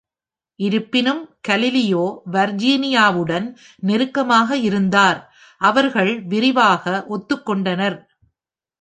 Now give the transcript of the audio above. இருப்பினும், கலிலியோ வர்ஜீனியாவுடன் நெருக்கமாக இருந்தார், அவர்கள் விரிவாக ஒத்துக்கொண்டனர்.